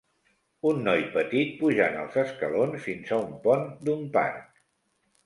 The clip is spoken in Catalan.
Un noi petit pujant els escalons fins a un pont d'un parc